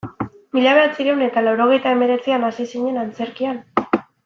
Mila bederatziehun eta laurogeita hemeretzian hasi zinen antzerkian?